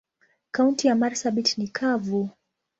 Kaunti ya marsabit ni kavu.